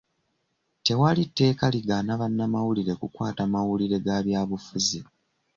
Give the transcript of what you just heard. Tewali tteeka ligaana bannamawulire kukwata mawulire ga byabufuzi.